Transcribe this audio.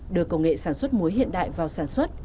đưa công nghệ sản xuất muối hiện đại vào sản xuất